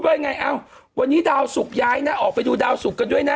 พูดว่าไงวันนี้ดาวสุขย้ายนะออกไปดูดาวสุขกันด้วยนะ